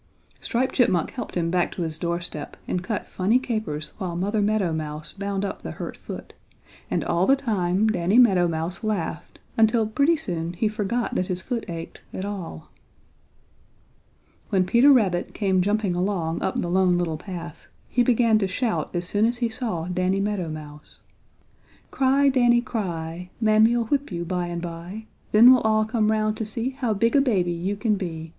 Striped Chipmunk helped him back to his doorstep and cut funny capers while Mother Meadow Mouse bound up the hurt foot, and all the time Danny Meadow Mouse laughed until pretty soon he forgot that his foot ached at all. When Peter Rabbit came jumping along up the Lone Little Path he began to shout as soon as he saw Danny Meadow Mouse: "Cry, Danny, cry! Mammy'll whip you by and by! Then we'll all come 'round to see How big a baby you can be.